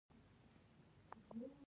باور د مشتری پاتې کېدو لامل دی.